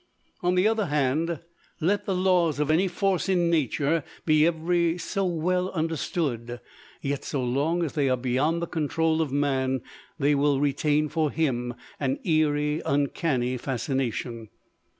On the other hand, let the laws of any force in nature be every so well understood: yet, so long as they are beyond the control of man, they will retain for him an eerie uncanny fascination.